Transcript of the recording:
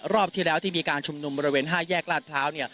รอบที่แล้วที่มีการชุมนุมบริเวณ๕แยกลาดพร้าว